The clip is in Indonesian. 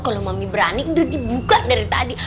kalau mami berani udah dibuka dari tadi